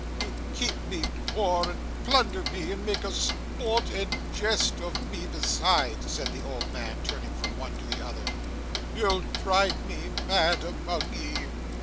'You keep me poor, and plunder me, and make a sport and jest of me besides,' said the old man, turning from one to the other. 'Ye'll drive me mad among ye.